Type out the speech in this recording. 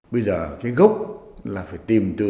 bây giờ cái gốc là phải tìm từ